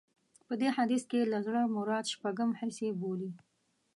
په دې حديث کې له زړه مراد شپږم حس يې بولي.